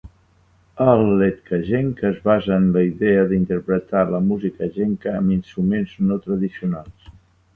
El letkajenkka es basa en la idea d'interpretar la música Jenkka amb instruments no tradicionals.